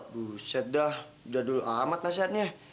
buset dah udah dulu amat nasihatnya